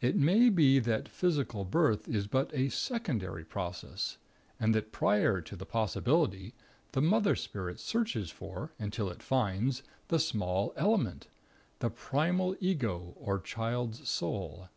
It may be that physical birth is but a secondary process; and that prior to the possibility, the Mother Spirit searches for, until it finds, the small Element the primal Ego or child's soul.